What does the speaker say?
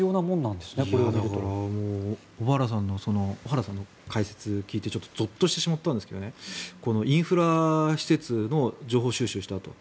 だから小原さんの解説を聞いてちょっとゾッとしてしまったんですがインフラ施設の情報収集したと。